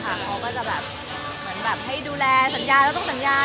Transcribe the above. เขาก็จะแบบให้ดูแลสัญญาแล้วต้องสัญญานะ